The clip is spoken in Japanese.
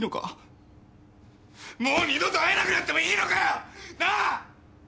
もう二度と会えなくなってもいいのかよ！？なあ！？